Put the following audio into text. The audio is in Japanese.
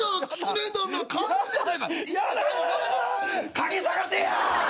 鍵捜せや！